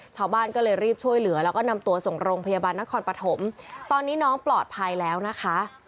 ชาวบ้านก็เลยรีบช่วยเหลือแล้วก็นำตัวส่งโรงพยาบาลนครปฐมตอนนี้น้องปลอดภัยแล้วนะคะ